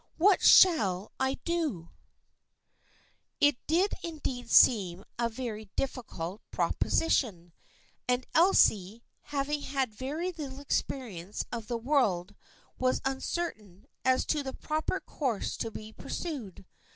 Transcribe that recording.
What shall I do ?" 116 THE FKIENDSHIP OF ANNE It did indeed seem a very difficult proposition, and Elsie, having had very little experience of the world, was uncertain as to the proper course to be pursued.